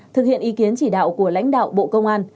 thực hiện ý kiến chỉ đạo của lãnh đạo bộ công an